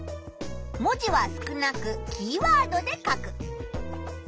文字は少なくキーワードで書く。